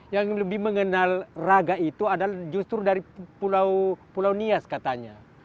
yang lebih mengenal raga itu adalah justru dari pulau nias katanya